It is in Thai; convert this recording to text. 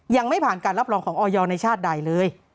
ยังไม่ผ่านการรับรองของออยในชาติใดเลย